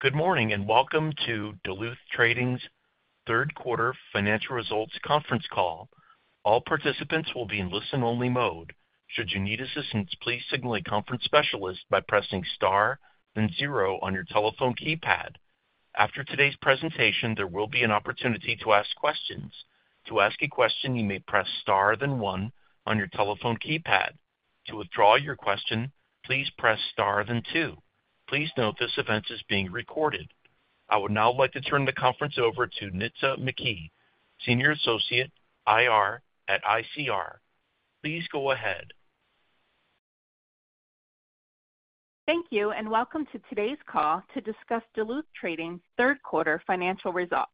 Good morning and welcome to Duluth Trading's third quarter financial results conference call. All participants will be in listen-only mode. Should you need assistance, please signal a conference specialist by pressing star, then zero on your telephone keypad. After today's presentation, there will be an opportunity to ask questions. To ask a question, you may press star, then one on your telephone keypad. To withdraw your question, please press star, then two. Please note this event is being recorded. I would now like to turn the conference over to Nitza McKee, Senior Associate IR at ICR. Please go ahead. Thank you and welcome to today's call to discuss Duluth Trading's third quarter financial results.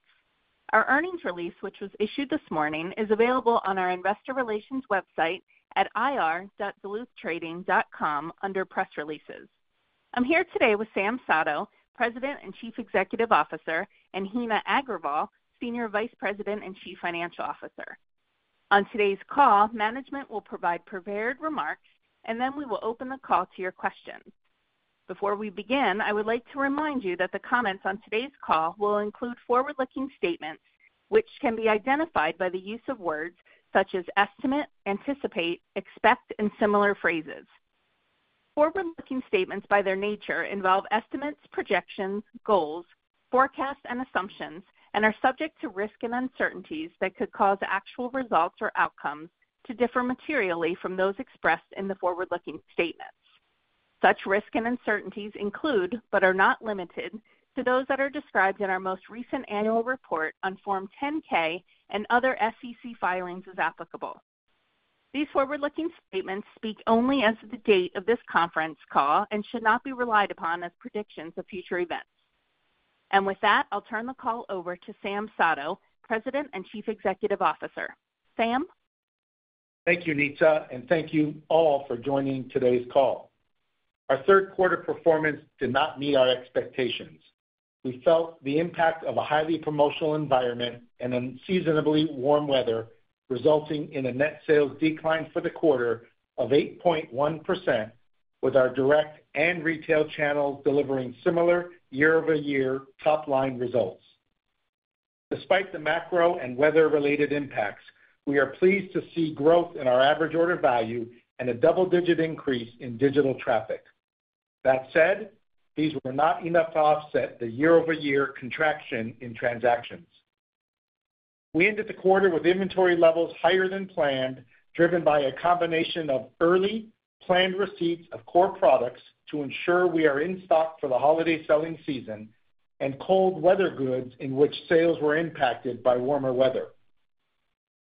Our earnings release, which was issued this morning, is available on our investor relations website at ir.duluthtrading.com under press releases. I'm here today with Sam Sato, President and Chief Executive Officer, and Heena Agrawal, Senior Vice President and Chief Financial Officer. On today's call, management will provide prepared remarks, and then we will open the call to your questions. Before we begin, I would like to remind you that the comments on today's call will include forward-looking statements, which can be identified by the use of words such as estimate, anticipate, expect, and similar phrases. Forward-looking statements, by their nature, involve estimates, projections, goals, forecasts, and assumptions, and are subject to risk and uncertainties that could cause actual results or outcomes to differ materially from those expressed in the forward-looking statements. Such risks and uncertainties include, but are not limited to, those that are described in our most recent annual report on Form 10-K and other SEC filings as applicable. These forward-looking statements speak only as of the date of this conference call and should not be relied upon as predictions of future events. And with that, I'll turn the call over to Sam Sato, President and Chief Executive Officer. Sam? Thank you, Nitza, and thank you all for joining today's call. Our third quarter performance did not meet our expectations. We felt the impact of a highly promotional environment and unseasonably warm weather resulting in a net sales decline for the quarter of 8.1%, with our direct and retail channels delivering similar year-over-year top-line results. Despite the macro and weather-related impacts, we are pleased to see growth in our average order value and a double-digit increase in digital traffic. That said, these were not enough to offset the year-over-year contraction in transactions. We ended the quarter with inventory levels higher than planned, driven by a combination of early planned receipts of core products to ensure we are in stock for the holiday selling season and cold weather goods in which sales were impacted by warmer weather.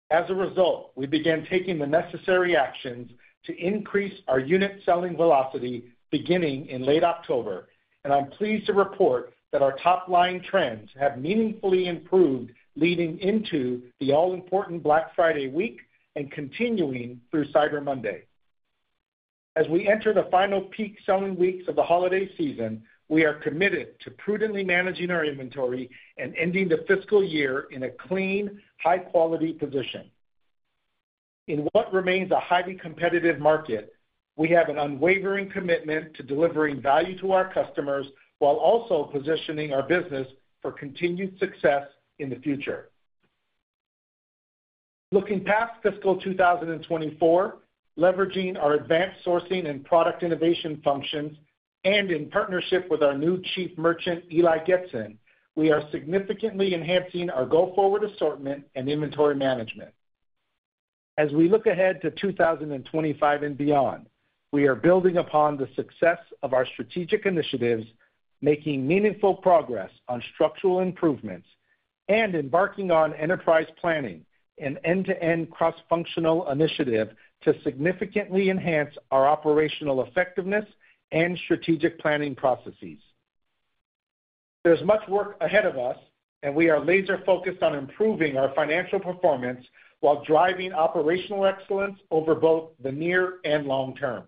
As a result, we began taking the necessary actions to increase our unit selling velocity beginning in late October, and I'm pleased to report that our top-line trends have meaningfully improved leading into the all-important Black Friday week and continuing through Cyber Monday. As we enter the final peak selling weeks of the holiday season, we are committed to prudently managing our inventory and ending the fiscal year in a clean, high-quality position. In what remains a highly competitive market, we have an unwavering commitment to delivering value to our customers while also positioning our business for continued success in the future. Looking past fiscal 2024, leveraging our advanced sourcing and product innovation functions, and in partnership with our new Chief Merchant, Eli Getson, we are significantly enhancing our go-forward assortment and inventory management. As we look ahead to 2025 and beyond, we are building upon the success of our strategic initiatives, making meaningful progress on structural improvements, and embarking on enterprise planning, an end-to-end cross-functional initiative to significantly enhance our operational effectiveness and strategic planning processes. There's much work ahead of us, and we are laser-focused on improving our financial performance while driving operational excellence over both the near and long term.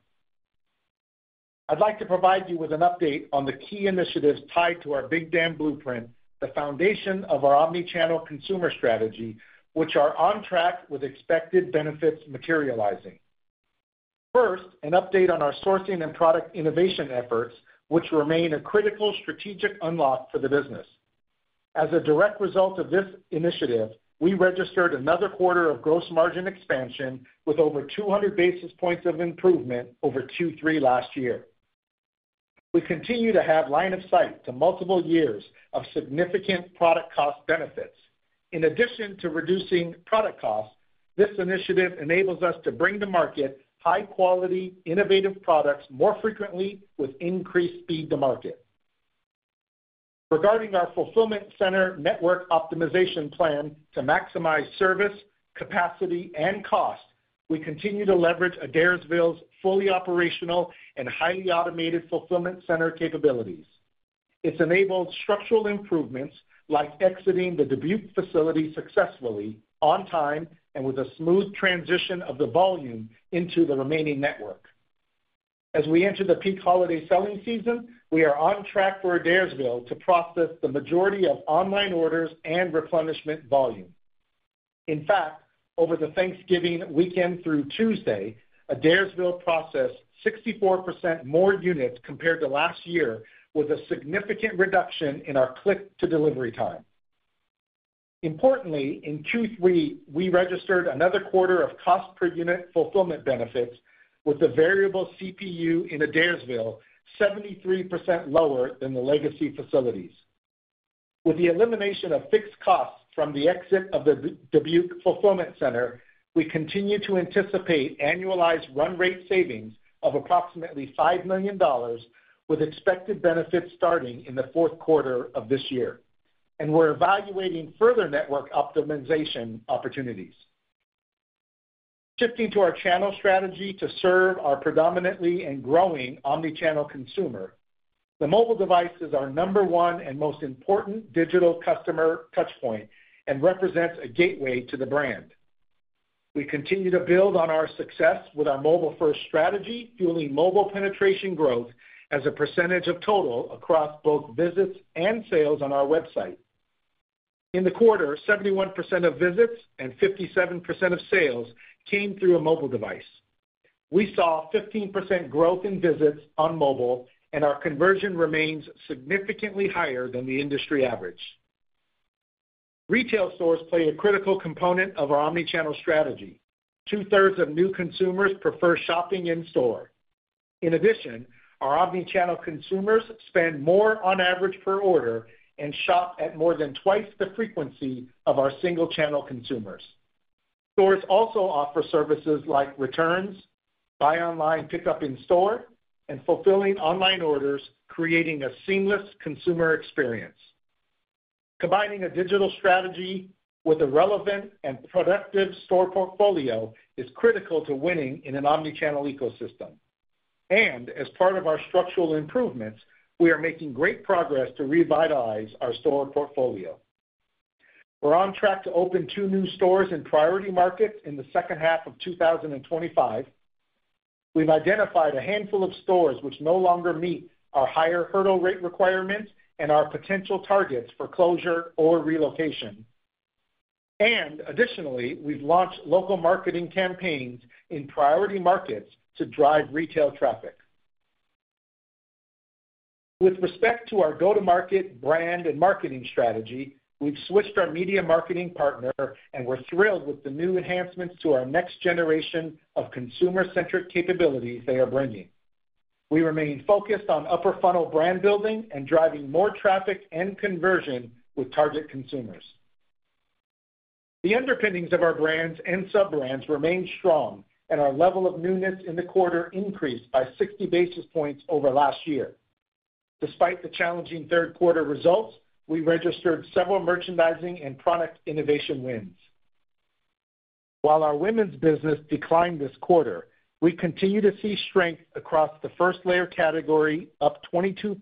I'd like to provide you with an update on the key initiatives tied to our Big Dam Blueprint, the foundation of our omnichannel consumer strategy, which are on track with expected benefits materializing. First, an update on our sourcing and product innovation efforts, which remain a critical strategic unlock for the business. As a direct result of this initiative, we registered another quarter of gross margin expansion with over 200 basis points of improvement over Q3 last year. We continue to have line of sight to multiple years of significant product cost benefits. In addition to reducing product costs, this initiative enables us to bring to market high-quality, innovative products more frequently with increased speed to market. Regarding our fulfillment center network optimization plan to maximize service, capacity, and cost, we continue to leverage Adairsville's fully operational and highly automated fulfillment center capabilities. It's enabled structural improvements like exiting the Dubuque facility successfully, on time, and with a smooth transition of the volume into the remaining network. As we enter the peak holiday selling season, we are on track for Adairsville to process the majority of online orders and replenishment volume. In fact, over the Thanksgiving weekend through Tuesday, Adairsville processed 64% more units compared to last year, with a significant reduction in our click-to-delivery time. Importantly, in Q3, we registered another quarter of cost-per-unit fulfillment benefits with a variable CPU in Adairsville, 73% lower than the legacy facilities. With the elimination of fixed costs from the exit of the Dubuque fulfillment center, we continue to anticipate annualized run rate savings of approximately $5 million, with expected benefits starting in the fourth quarter of this year, and we're evaluating further network optimization opportunities. Shifting to our channel strategy to serve our predominantly and growing omnichannel consumer, the mobile device is our number one and most important digital customer touchpoint and represents a gateway to the brand. We continue to build on our success with our mobile-first strategy, fueling mobile penetration growth as a percentage of total across both visits and sales on our website. In the quarter, 71% of visits and 57% of sales came through a mobile device. We saw 15% growth in visits on mobile, and our conversion remains significantly higher than the industry average. Retail stores play a critical component of our omnichannel strategy. Two-thirds of new consumers prefer shopping in store. In addition, our omnichannel consumers spend more on average per order and shop at more than twice the frequency of our single-channel consumers. Stores also offer services like returns, buy online, pick up in store, and fulfilling online orders, creating a seamless consumer experience. Combining a digital strategy with a relevant and productive store portfolio is critical to winning in an omnichannel ecosystem, and as part of our structural improvements, we are making great progress to revitalize our store portfolio. We're on track to open two new stores in priority markets in the second half of 2025. We've identified a handful of stores which no longer meet our higher hurdle rate requirements and our potential targets for closure or relocation, and additionally, we've launched local marketing campaigns in priority markets to drive retail traffic. With respect to our go-to-market brand and marketing strategy, we've switched our media marketing partner, and we're thrilled with the new enhancements to our next generation of consumer-centric capabilities they are bringing. We remain focused on upper-funnel brand building and driving more traffic and conversion with target consumers. The underpinnings of our brands and sub-brands remain strong, and our level of newness in the quarter increased by 60 basis points over last year. Despite the challenging third quarter results, we registered several merchandising and product innovation wins. While our women's business declined this quarter, we continue to see strength across the first layer category, up 22%,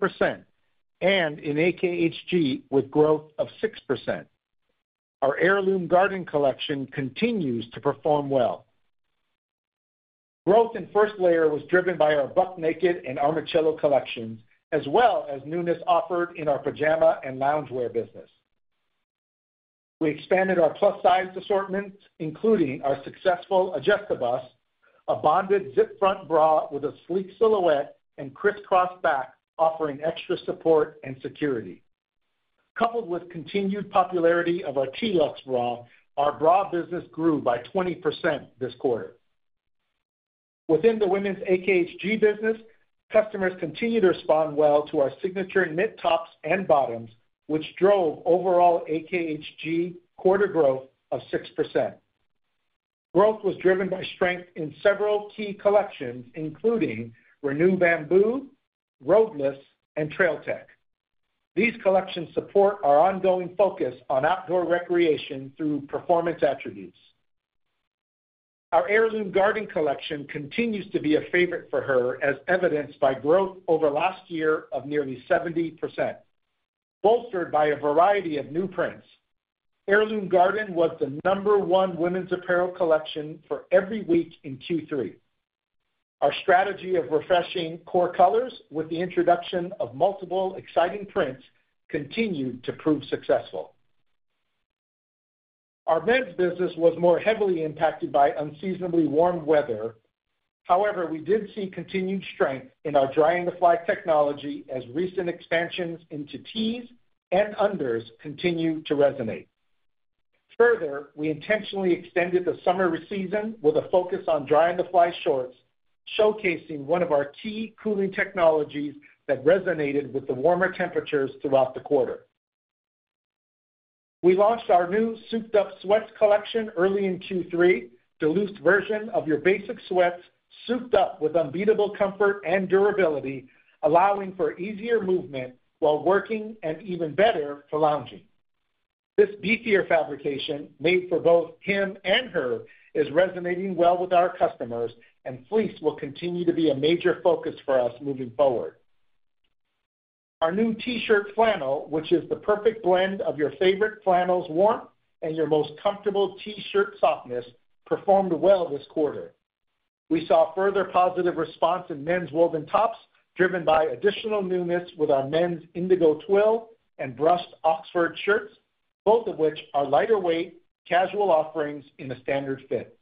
and in AKHG with growth of 6%. Our Heirloom Gardening collection continues to perform well. Growth in first layer was driven by our Buck Naked and Armachillo collections, as well as newness offered in our pajama and loungewear business. We expanded our plus-size assortments, including our successful Adjust-A-Bust, a bonded zip front bra with a sleek silhouette, and crisscrossed back offering extra support and security. Coupled with continued popularity of our Tee-Lux bra, our bra business grew by 20% this quarter. Within the women's AKHG business, customers continue to respond well to our signature knit tops and bottoms, which drove overall AKHG quarter growth of 6%. Growth was driven by strength in several key collections, including Renew Bamboo, Roadless, and Trail Tech. These collections support our ongoing focus on outdoor recreation through performance attributes. Our Heirloom Gardening collection continues to be a favorite for her, as evidenced by growth over last year of nearly 70%, bolstered by a variety of new prints. Heirloom Gardening was the number one women's apparel collection for every week in Q3. Our strategy of refreshing core colors with the introduction of multiple exciting prints continued to prove successful. Our men's business was more heavily impacted by unseasonably warm weather. However, we did see continued strength in our Dry-on-the-Fly technology, as recent expansions into tees and unders continue to resonate. Further, we intentionally extended the summer season with a focus on Dry-on-the-Fly shorts, showcasing one of our key cooling technologies that resonated with the warmer temperatures throughout the quarter. We launched our new Souped-Up Sweats collection early in Q3, Duluth's version of your basic sweats, souped up with unbeatable comfort and durability, allowing for easier movement while working and even better for lounging. This beefier fabrication, made for both him and her, is resonating well with our customers, and fleece will continue to be a major focus for us moving forward. Our new t-shirt flannel, which is the perfect blend of your favorite flannel's warmth and your most comfortable t-shirt softness, performed well this quarter. We saw further positive response in men's woven tops, driven by additional newness with our men's indigo twill and brushed Oxford shirts, both of which are lighter-weight casual offerings in a standard fit.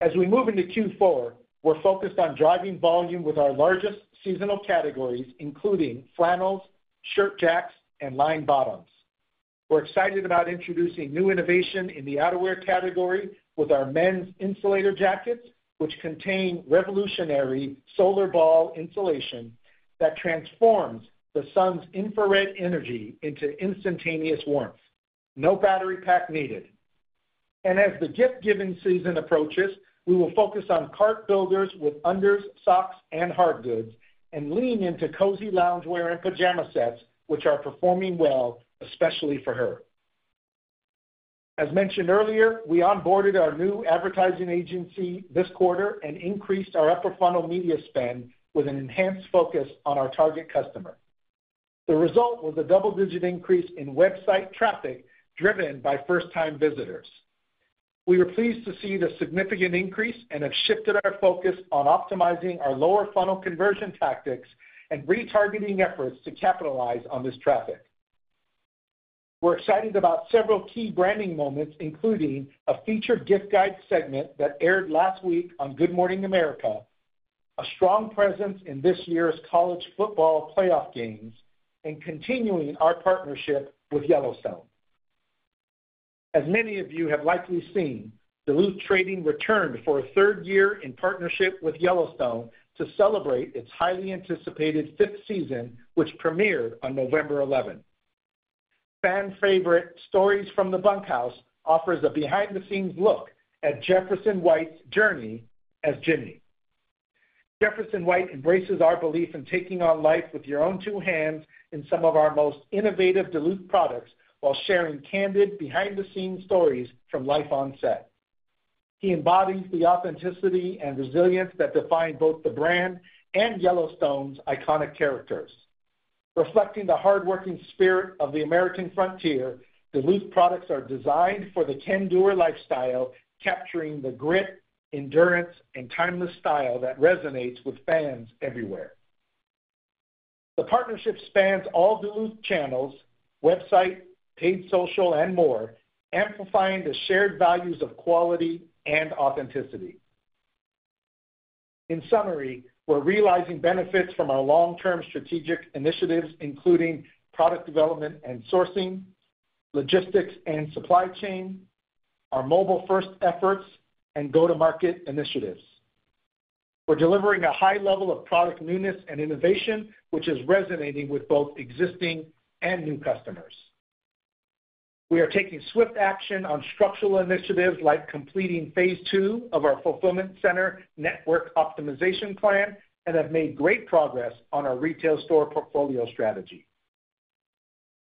As we move into Q4, we're focused on driving volume with our largest seasonal categories, including flannels, Shirt Jacs, and lined bottoms. We're excited about introducing new innovation in the outerwear category with our men's insulator jackets, which contain revolutionary Solarball insulation that transforms the sun's infrared energy into instantaneous warmth, no battery pack needed, and as the gift-giving season approaches, we will focus on cart builders with unders, socks, and hard goods, and lean into cozy loungewear and pajama sets, which are performing well, especially for her. As mentioned earlier, we onboarded our new advertising agency this quarter and increased our upper-funnel media spend with an enhanced focus on our target customer. The result was a double-digit increase in website traffic driven by first-time visitors. We were pleased to see the significant increase and have shifted our focus on optimizing our lower-funnel conversion tactics and retargeting efforts to capitalize on this traffic. We're excited about several key branding moments, including a featured gift guide segment that aired last week on Good Morning America, a strong presence in this year's college football playoff games, and continuing our partnership with Yellowstone. As many of you have likely seen, Duluth Trading returned for a third year in partnership with Yellowstone to celebrate its highly anticipated fifth season, which premiered on November 11. Fan-favorite Stories from the Bunkhouse offers a behind-the-scenes look at Jefferson White's journey as Jimmy. Jefferson White embraces our belief in taking on life with your own two hands in some of our most innovative Duluth products while sharing candid behind-the-scenes stories from life on set. He embodies the authenticity and resilience that define both the brand and Yellowstone's iconic characters. Reflecting the hardworking spirit of the American frontier, Duluth products are designed for the can-doer lifestyle, capturing the grit, endurance, and timeless style that resonates with fans everywhere. The partnership spans all Duluth channels, website, paid social, and more, amplifying the shared values of quality and authenticity. In summary, we're realizing benefits from our long-term strategic initiatives, including product development and sourcing, logistics and supply chain, our mobile-first efforts, and go-to-market initiatives. We're delivering a high level of product newness and innovation, which is resonating with both existing and new customers. We are taking swift action on structural initiatives like completing phase two of our fulfillment center network optimization plan and have made great progress on our retail store portfolio strategy,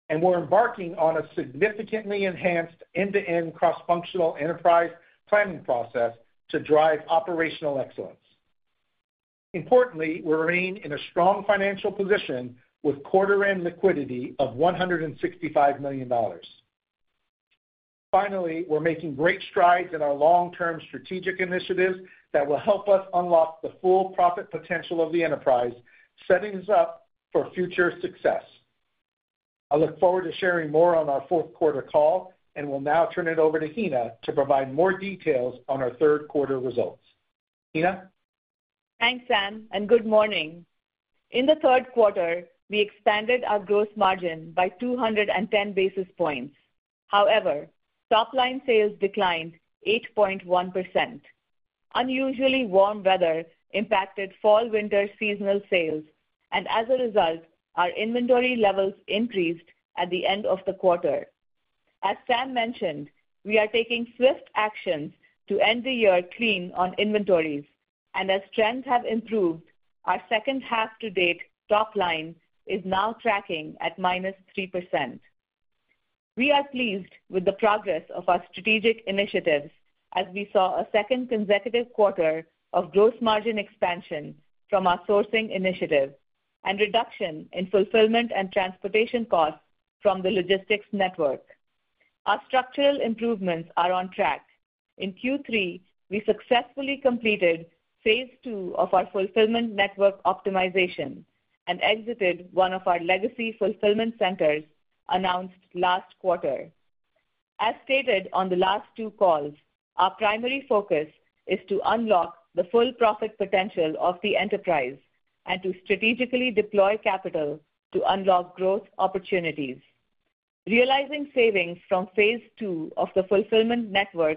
and we're embarking on a significantly enhanced end-to-end cross-functional enterprise planning process to drive operational excellence. Importantly, we're remaining in a strong financial position with quarter-end liquidity of $165 million. Finally, we're making great strides in our long-term strategic initiatives that will help us unlock the full profit potential of the enterprise, setting us up for future success. I look forward to sharing more on our fourth quarter call, and we'll now turn it over to Heena to provide more details on our third quarter results. Heena? Thanks, Sam, and good morning. In the third quarter, we expanded our gross margin by 210 basis points. However, top-line sales declined 8.1%. Unusually warm weather impacted fall-winter seasonal sales, and as a result, our inventory levels increased at the end of the quarter. As Sam mentioned, we are taking swift actions to end the year clean on inventories, and as trends have improved, our second half-to-date top line is now tracking at minus 3%. We are pleased with the progress of our strategic initiatives as we saw a second consecutive quarter of gross margin expansion from our sourcing initiative and reduction in fulfillment and transportation costs from the logistics network. Our structural improvements are on track. In Q3, we successfully completed phase two of our fulfillment network optimization and exited one of our legacy fulfillment centers announced last quarter. As stated on the last two calls, our primary focus is to unlock the full profit potential of the enterprise and to strategically deploy capital to unlock growth opportunities. Realizing savings from phase two of the fulfillment network,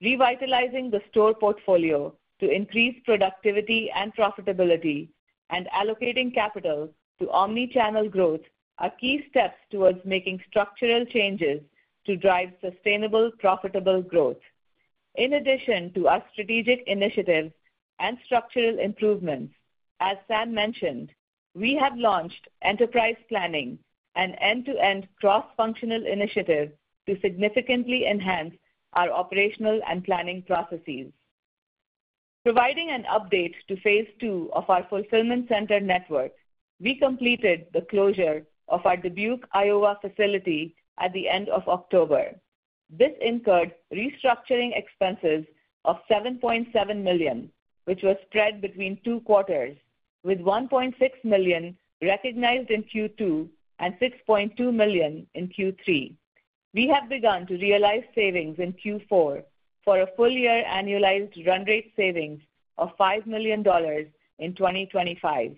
revitalizing the store portfolio to increase productivity and profitability, and allocating capital to omnichannel growth are key steps towards making structural changes to drive sustainable, profitable growth. In addition to our strategic initiatives and structural improvements, as Sam mentioned, we have launched enterprise planning, an end-to-end cross-functional initiative to significantly enhance our operational and planning processes. Providing an update to phase two of our fulfillment center network, we completed the closure of our Dubuque, Iowa facility at the end of October. This incurred restructuring expenses of $7.7 million, which were spread between two quarters, with $1.6 million recognized in Q2 and $6.2 million in Q3. We have begun to realize savings in Q4 for a full-year annualized run rate savings of $5 million in 2025.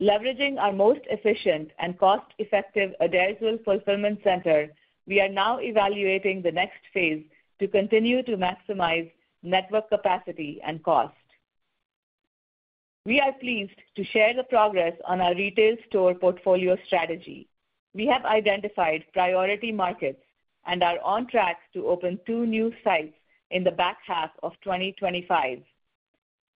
Leveraging our most efficient and cost-effective Adairsville Fulfillment Center, we are now evaluating the next phase to continue to maximize network capacity and cost. We are pleased to share the progress on our retail store portfolio strategy. We have identified priority markets and are on track to open two new sites in the back half of 2025.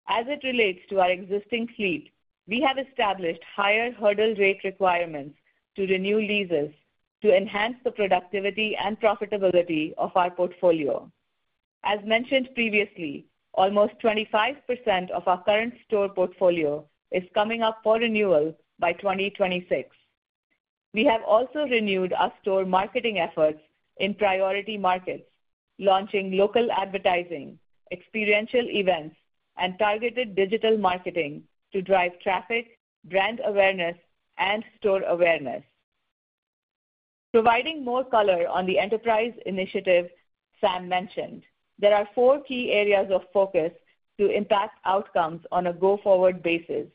As it relates to our existing fleet, we have established higher hurdle rate requirements to renew leases to enhance the productivity and profitability of our portfolio. As mentioned previously, almost 25% of our current store portfolio is coming up for renewal by 2026. We have also renewed our store marketing efforts in priority markets, launching local advertising, experiential events, and targeted digital marketing to drive traffic, brand awareness, and store awareness. Providing more color on the enterprise initiative Sam mentioned, there are four key areas of focus to impact outcomes on a go-forward basis.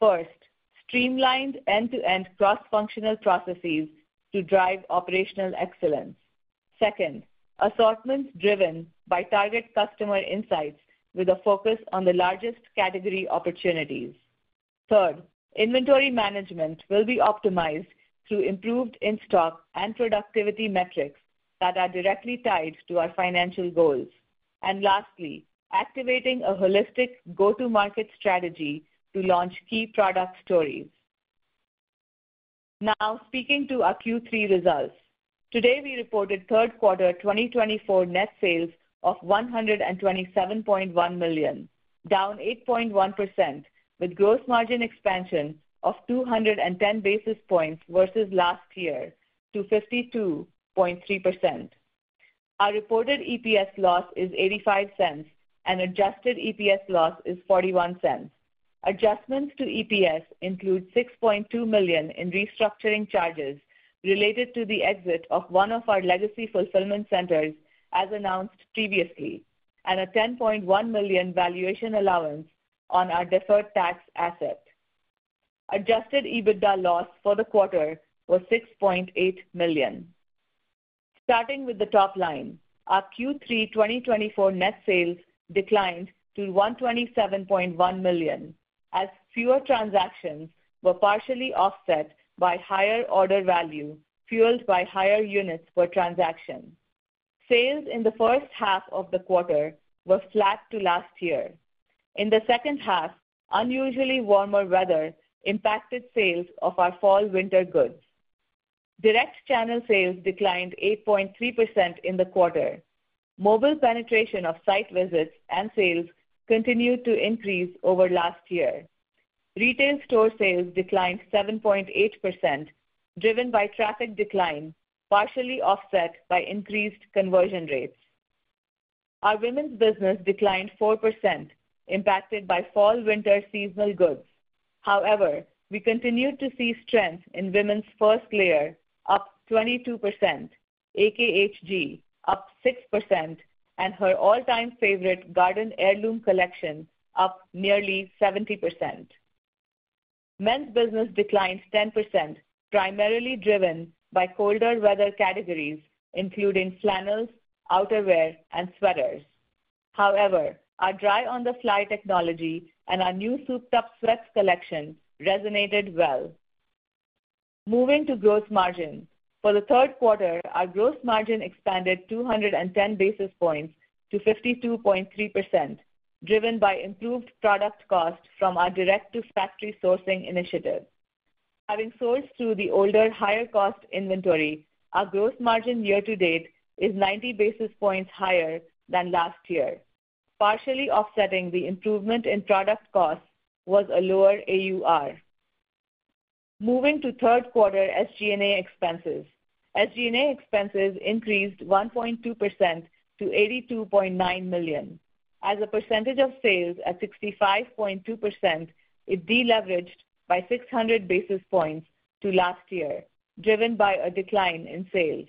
First, streamlined end-to-end cross-functional processes to drive operational excellence. Second, assortments driven by target customer insights with a focus on the largest category opportunities. Third, inventory management will be optimized through improved in-stock and productivity metrics that are directly tied to our financial goals, and lastly, activating a holistic go-to-market strategy to launch key product stories. Now, speaking to our Q3 results, today we reported third quarter 2024 net sales of $127.1 million, down 8.1%, with gross margin expansion of 210 basis points versus last year to 52.3%. Our reported EPS loss is $0.85, and adjusted EPS loss is $0.41. Adjustments to EPS include $6.2 million in restructuring charges related to the exit of one of our legacy fulfillment centers, as announced previously, and a $10.1 million valuation allowance on our deferred tax asset. Adjusted EBITDA loss for the quarter was $6.8 million. Starting with the top line, our Q3 2024 net sales declined to $127.1 million as fewer transactions were partially offset by higher order value fueled by higher units per transaction. Sales in the first half of the quarter were flat to last year. In the second half, unusually warmer weather impacted sales of our fall-winter goods. Direct channel sales declined 8.3% in the quarter. Mobile penetration of site visits and sales continued to increase over last year. Retail store sales declined 7.8%, driven by traffic decline, partially offset by increased conversion rates. Our women's business declined 4%, impacted by fall-winter seasonal goods. However, we continued to see strength in women's first layer, up 22%, AKHG, up 6%, and Heirloom Gardening collection, up nearly 70%. Men's business declined 10%, primarily driven by colder weather categories, including flannels, outerwear, and sweaters. However, our Dry-on-the-Fly technology and our new Souped-Up Sweats collection resonated well. Moving to gross margins, for the third quarter, our gross margin expanded 210 basis points to 52.3%, driven by improved product cost from our direct-to-factory sourcing initiative. Having sold through the older, higher-cost inventory, our gross margin year-to-date is 90 basis points higher than last year. Partially offsetting the improvement in product cost was a lower AUR. Moving to third quarter SG&A expenses, SG&A expenses increased 1.2%-$82.9 million. As a percentage of sales at 65.2%, it deleveraged by 600 basis points to last year, driven by a decline in sales.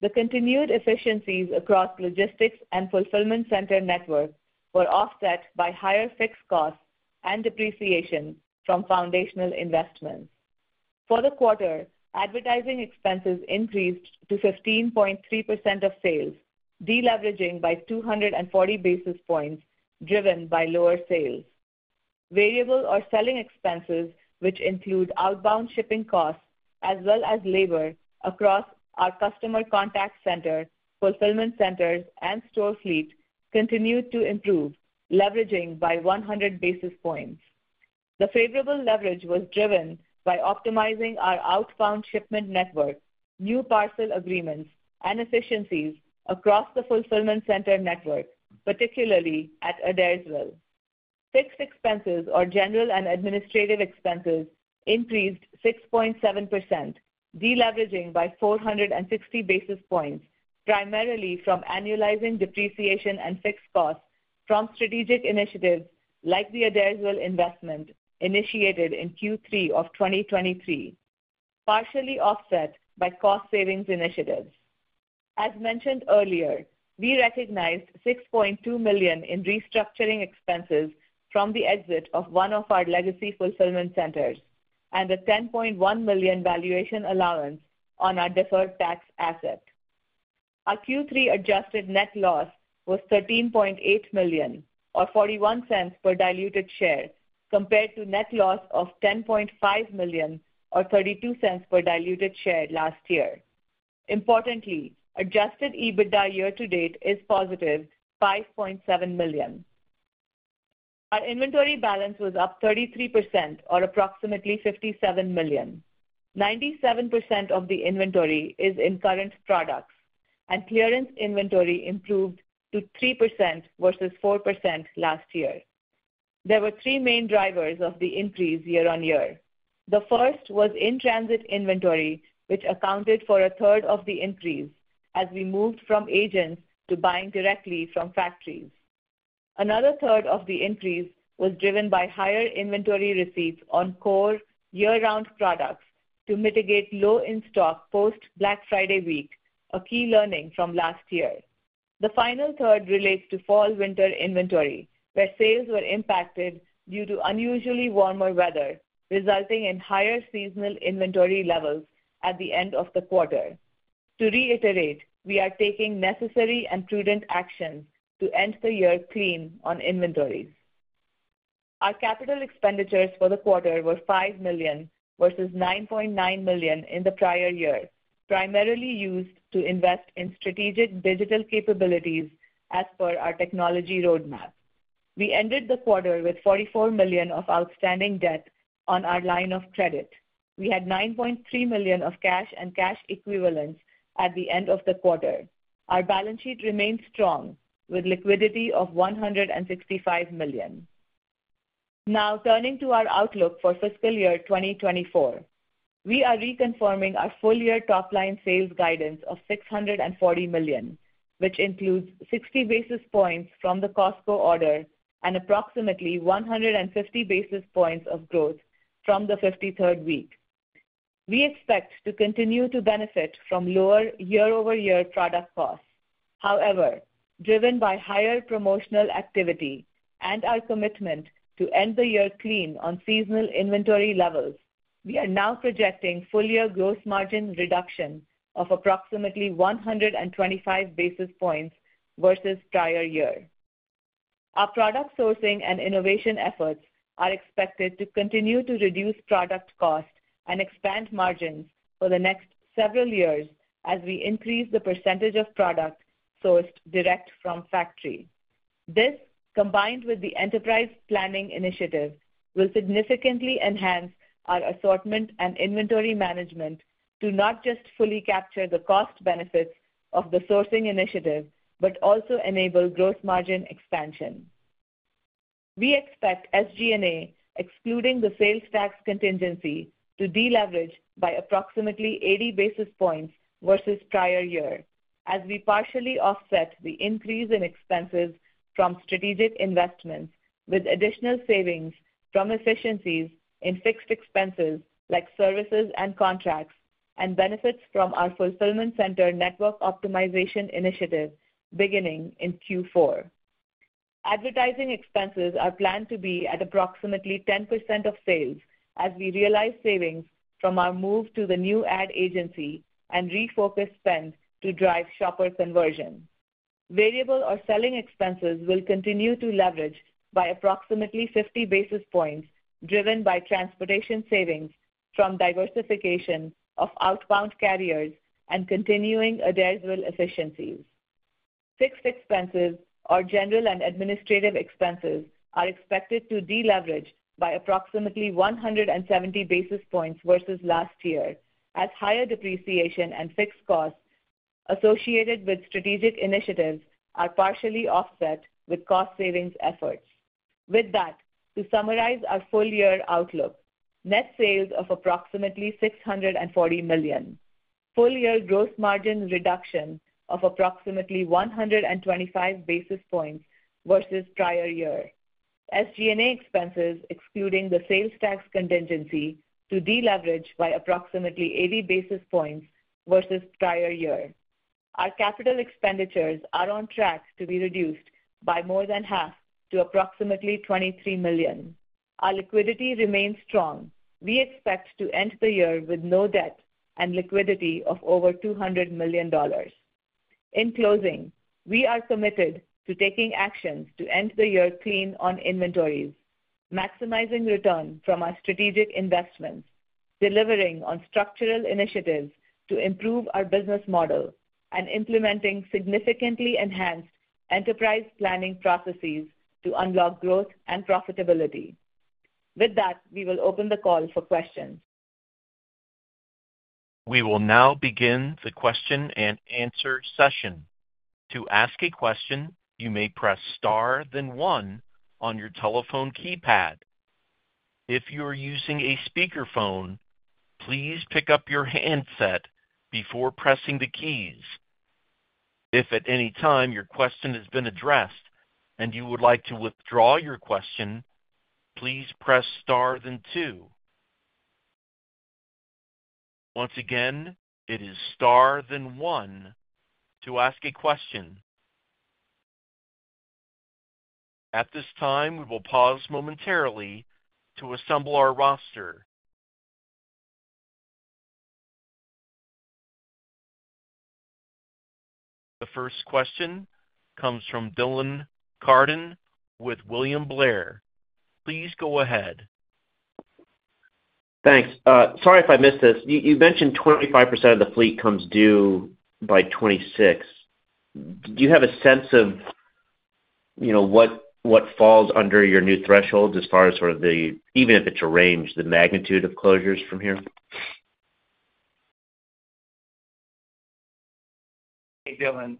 The continued efficiencies across logistics and fulfillment center network were offset by higher fixed costs and depreciation from foundational investments. For the quarter, advertising expenses increased to 15.3% of sales, deleveraging by 240 basis points, driven by lower sales. Variable or selling expenses, which include outbound shipping costs as well as labor across our customer contact center, fulfillment centers, and store fleet, continued to improve, leveraging by 100 basis points. The favorable leverage was driven by optimizing our outbound shipment network, new parcel agreements, and efficiencies across the fulfillment center network, particularly at Adairsville. Fixed expenses, or general and administrative expenses, increased 6.7%, deleveraging by 460 basis points, primarily from annualizing depreciation and fixed costs from strategic initiatives like the Adairsville investment initiated in Q3 of 2023, partially offset by cost savings initiatives. As mentioned earlier, we recognized $6.2 million in restructuring expenses from the exit of one of our legacy fulfillment centers and a $10.1 million valuation allowance on our deferred tax asset. Our Q3 adjusted net loss was $13.8 million, or $0.41 per diluted share, compared to net loss of $10.5 million, or $0.32 per diluted share last year. Importantly, adjusted EBITDA year-to-date is positive, $5.7 million. Our inventory balance was up 33%, or approximately $57 million. 97% of the inventory is in current products, and clearance inventory improved to 3% versus 4% last year. There were three main drivers of the increase year-on-year. The first was in-transit inventory, which accounted for a third of the increase as we moved from agents to buying directly from factories. Another third of the increase was driven by higher inventory receipts on core year-round products to mitigate low in-stock post-Black Friday week, a key learning from last year. The final third relates to fall-winter inventory, where sales were impacted due to unusually warmer weather, resulting in higher seasonal inventory levels at the end of the quarter. To reiterate, we are taking necessary and prudent actions to end the year clean on inventories. Our capital expenditures for the quarter were $5 million versus $9.9 million in the prior year, primarily used to invest in strategic digital capabilities as per our technology roadmap. We ended the quarter with $44 million of outstanding debt on our line of credit. We had $9.3 million of cash and cash equivalents at the end of the quarter. Our balance sheet remained strong with liquidity of $165 million. Now, turning to our outlook for fiscal year 2024, we are reconfirming our full-year top-line sales guidance of $640 million, which includes 60 basis points from the Costco order and approximately 150 basis points of growth from the 53rd week. We expect to continue to benefit from lower year-over-year product costs. However, driven by higher promotional activity and our commitment to end the year clean on seasonal inventory levels, we are now projecting full-year gross margin reduction of approximately 125 basis points versus prior year. Our product sourcing and innovation efforts are expected to continue to reduce product cost and expand margins for the next several years as we increase the percentage of product sourced direct from factory. This, combined with the enterprise planning initiative, will significantly enhance our assortment and inventory management to not just fully capture the cost benefits of the sourcing initiative, but also enable gross margin expansion. We expect SG&A, excluding the sales tax contingency, to deleverage by approximately 80 basis points versus prior year, as we partially offset the increase in expenses from strategic investments with additional savings from efficiencies in fixed expenses like services and contracts and benefits from our fulfillment center network optimization initiative beginning in Q4. Advertising expenses are planned to be at approximately 10% of sales as we realize savings from our move to the new ad agency and refocus spend to drive shopper conversion. Variable or selling expenses will continue to leverage by approximately 50 basis points, driven by transportation savings from diversification of outbound carriers and continuing Adairsville efficiencies. Fixed expenses, or general and administrative expenses, are expected to deleverage by approximately 170 basis points versus last year, as higher depreciation and fixed costs associated with strategic initiatives are partially offset with cost savings efforts. With that, to summarize our full-year outlook: net sales of approximately $640 million, full-year gross margin reduction of approximately 125 basis points versus prior year, SG&A expenses excluding the sales tax contingency to deleverage by approximately 80 basis points versus prior year. Our capital expenditures are on track to be reduced by more than half to approximately $23 million. Our liquidity remains strong. We expect to end the year with no debt and liquidity of over $200 million. In closing, we are committed to taking actions to end the year clean on inventories, maximizing return from our strategic investments, delivering on structural initiatives to improve our business model, and implementing significantly enhanced enterprise planning processes to unlock growth and profitability. With that, we will open the call for questions. We will now begin the question and answer session. To ask a question, you may press star then one on your telephone keypad. If you are using a speakerphone, please pick up your handset before pressing the keys. If at any time your question has been addressed and you would like to withdraw your question, please press star then two. Once again, it is star then one to ask a question. At this time, we will pause momentarily to assemble our roster. The first question comes from Dylan Carden with William Blair. Please go ahead. Thanks. Sorry if I missed this. You mentioned 25% of the fleet comes due by 2026. Do you have a sense of what falls under your new thresholds as far as sort of the, even if it's arranged, the magnitude of closures from here? Hey, Dylan.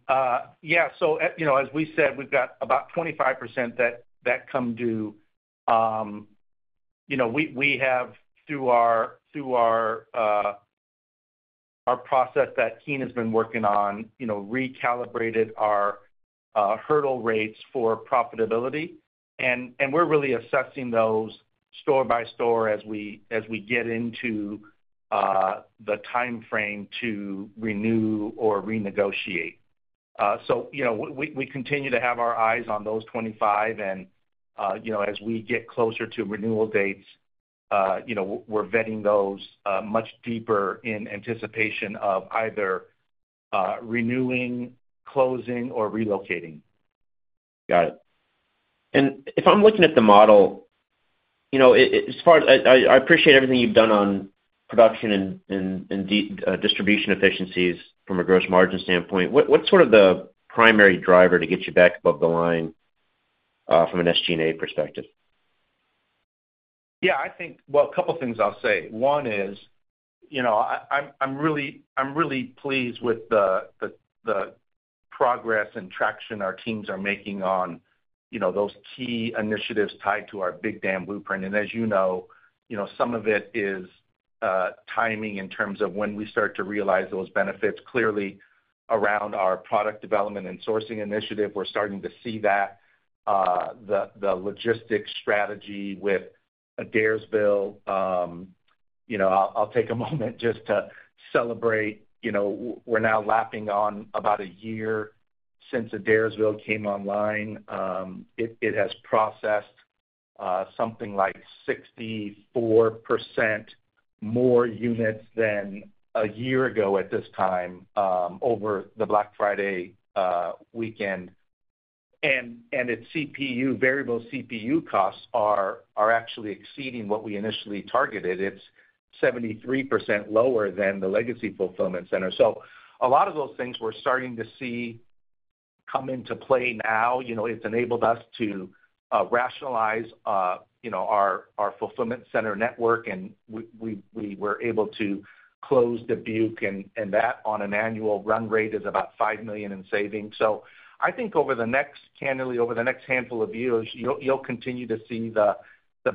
Yeah. So as we said, we've got about 25% that come due. We have, through our process that Heena has been working on, recalibrated our hurdle rates for profitability. And we're really assessing those store by store as we get into the timeframe to renew or renegotiate. So we continue to have our eyes on those 25%. And as we get closer to renewal dates, we're vetting those much deeper in anticipation of either renewing, closing, or relocating. Got it. And if I'm looking at the model, as far as I appreciate everything you've done on production and distribution efficiencies from a gross margin standpoint. What's sort of the primary driver to get you back above the line from an SG&A perspective? Yeah. Well, a couple of things I'll say. One is I'm really pleased with the progress and traction our teams are making on those key initiatives tied to our Big Dam Blueprint. And as you know, some of it is timing in terms of when we start to realize those benefits. Clearly, around our product development and sourcing initiative, we're starting to see that. The logistics strategy with Adairsville. I'll take a moment just to celebrate. We're now lapping on about a year since Adairsville came online. It has processed something like 64% more units than a year ago at this time over the Black Friday weekend. And its variable CPU costs are actually exceeding what we initially targeted. It's 73% lower than the legacy fulfillment center. So a lot of those things we're starting to see come into play now. It's enabled us to rationalize our fulfillment center network, and we were able to close Dubuque. And that, on an annual run rate, is about $5 million in savings. So I think, candidly, over the next handful of years, you'll continue to see the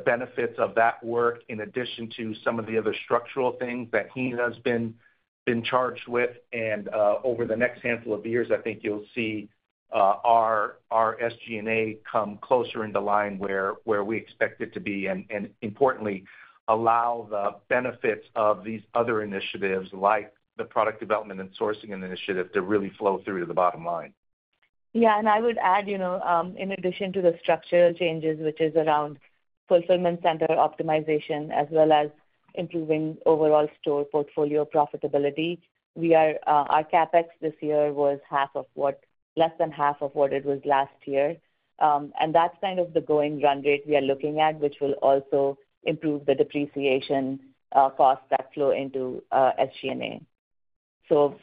benefits of that work in addition to some of the other structural things that Heena has been charged with. And over the next handful of years, I think you'll see our SG&A come closer into line where we expect it to be. And importantly, allow the benefits of these other initiatives like the product development and sourcing initiative to really flow through to the bottom line. Yeah. And I would add, in addition to the structural changes, which is around fulfillment center optimization, as well as improving overall store portfolio profitability, our CapEx this year was less than half of what it was last year. And that's kind of the going run rate we are looking at, which will also improve the depreciation costs that flow into SG&A. So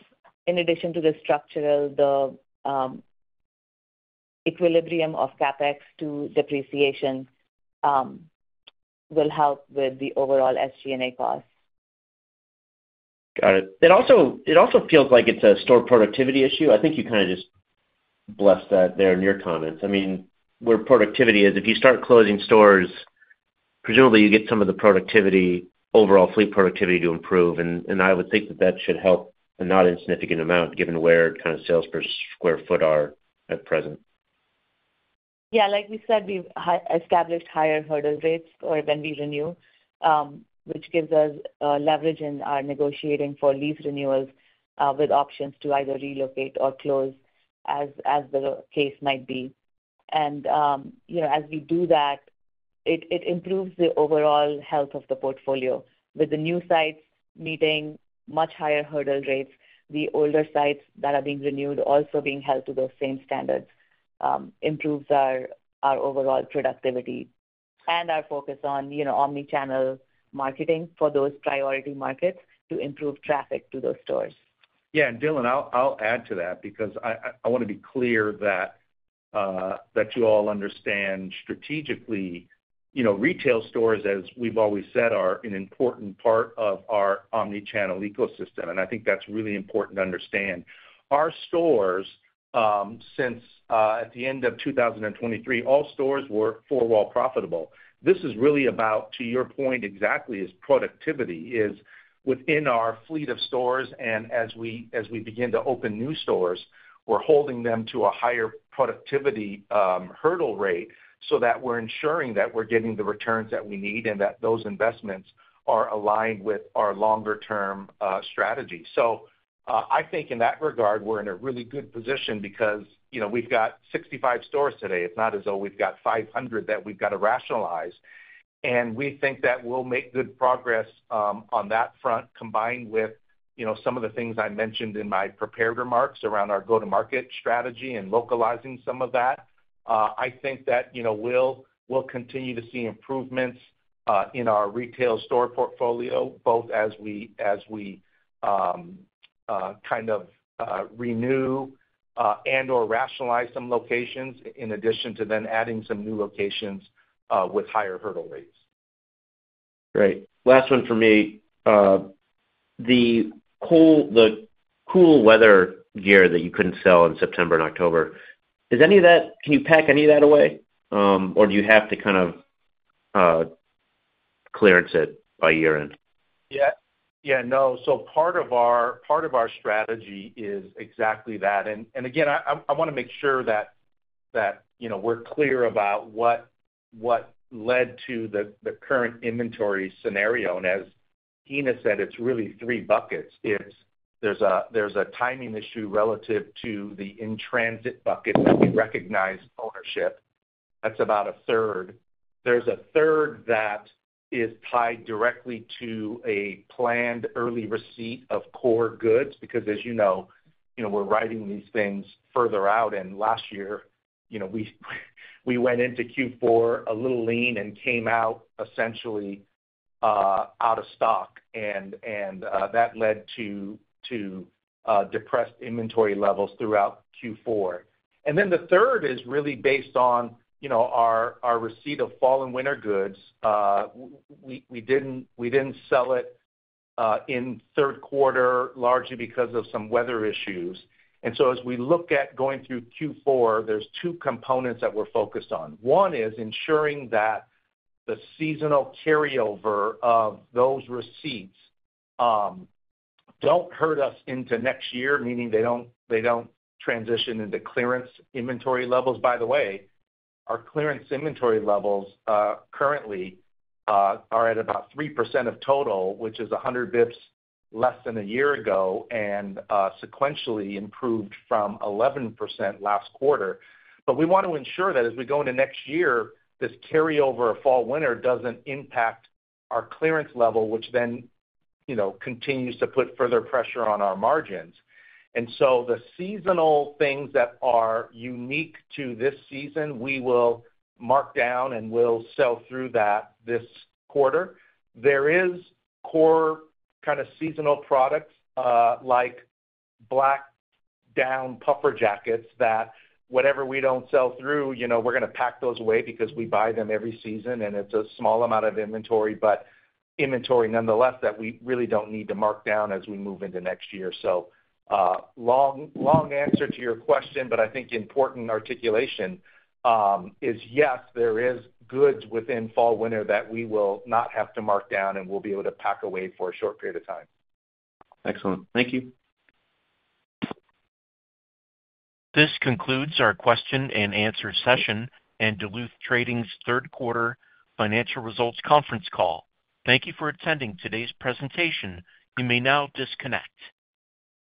in addition to the structural, the equilibrium of CapEx to depreciation will help with the overall SG&A costs. Got it. It also feels like it's a store productivity issue. I think you kind of just blessed that there in your comments. I mean, where productivity is, if you start closing stores, presumably you get some of the overall fleet productivity to improve. And I would think that that should help, and not insignificant amount, given where kind of sales per square foot are at present. Yeah. Like we said, we've established higher hurdle rates when we renew, which gives us leverage in our negotiating for lease renewals with options to either relocate or close, as the case might be, and as we do that, it improves the overall health of the portfolio. With the new sites meeting much higher hurdle rates, the older sites that are being renewed, also being held to those same standards, improves our overall productivity and our focus on omnichannel marketing for those priority markets to improve traffic to those stores. Yeah, and Dylan, I'll add to that because I want to be clear that you all understand strategically retail stores, as we've always said, are an important part of our omnichannel ecosystem, and I think that's really important to understand. Our stores, since at the end of 2023, all stores were four-wall profitable. This is really about, to your point, exactly as productivity is within our fleet of stores, and as we begin to open new stores, we're holding them to a higher productivity hurdle rate so that we're ensuring that we're getting the returns that we need and that those investments are aligned with our longer-term strategy. I think in that regard, we're in a really good position because we've got 65 stores today. It's not as though we've got 500 that we've got to rationalize. We think that we'll make good progress on that front, combined with some of the things I mentioned in my prepared remarks around our go-to-market strategy and localizing some of that. I think that we'll continue to see improvements in our retail store portfolio, both as we kind of renew and/or rationalize some locations, in addition to then adding some new locations with higher hurdle rates. Great. Last one for me. The cool weather gear that you couldn't sell in September and October, can you pack any of that away? Or do you have to kind of clearance it by year-end? Yeah. Yeah. No. So part of our strategy is exactly that. And again, I want to make sure that we're clear about what led to the current inventory scenario. And as Heena has said, it's really three buckets. There's a timing issue relative to the in-transit bucket that we recognized ownership. That's about a third. There's a third that is tied directly to a planned early receipt of core goods because, as you know, we're writing these things further out. Last year, we went into Q4 a little lean and came out essentially out of stock. That led to depressed inventory levels throughout Q4. Then the third is really based on our receipt of fall and winter goods. We didn't sell it in third quarter largely because of some weather issues. So as we look at going through Q4, there's two components that we're focused on. One is ensuring that the seasonal carryover of those receipts don't hurt us into next year, meaning they don't transition into clearance inventory levels. By the way, our clearance inventory levels currently are at about 3% of total, which is 100 basis points less than a year ago and sequentially improved from 11% last quarter. But we want to ensure that as we go into next year, this carryover fall/winter doesn't impact our clearance level, which then continues to put further pressure on our margins. And so the seasonal things that are unique to this season, we will mark down and we'll sell through that this quarter. There is core kind of seasonal products like black down puffer jackets that whatever we don't sell through, we're going to pack those away because we buy them every season. And it's a small amount of inventory, but inventory nonetheless that we really don't need to mark down as we move into next year. So long answer to your question, but I think important articulation is, yes, there is goods within fall/winter that we will not have to mark down and we'll be able to pack away for a short period of time. Excellent. Thank you. This concludes our question and answer session and Duluth Trading's third quarter financial results conference call. Thank you for attending today's presentation. You may now disconnect.